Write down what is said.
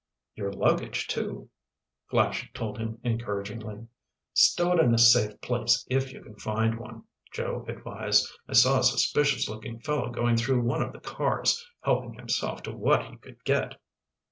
"Your luggage, too," Flash told him encouragingly. "Stow it in a safe place if you can find one," Joe advised. "I saw a suspicious looking fellow going through one of the cars. Helping himself to what he could get!"